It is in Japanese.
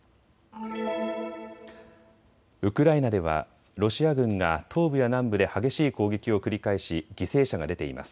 ウクライナではロシア軍が東部や南部で激しい攻撃を繰り返し犠牲者が出ています。